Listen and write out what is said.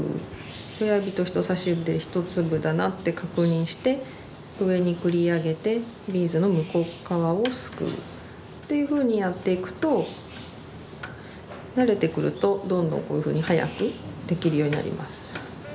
親指と人さし指で一粒だなって確認して上に繰り上げてビーズの向こう側をすくうというふうにやっていくと慣れてくるとどんどんこういうふうに早くできるようになります。